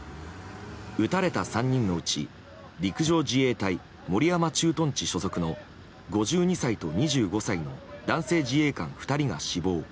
撃たれた３人のうち陸上自衛隊守山駐屯地所属の５２歳と２５歳の男性自衛官２人が死亡。